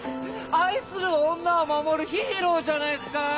愛する女を守るヒーローじゃないっすか！